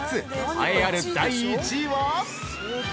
栄えある第１位は？